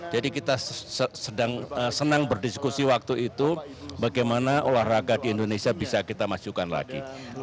jadi kita senang berdiskusi waktu itu bagaimana olahraga di indonesia bisa kita majukan lagi